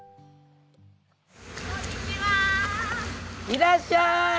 いらっしゃい！